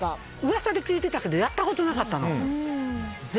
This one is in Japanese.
噂で聞いてたけどやったことなかったの。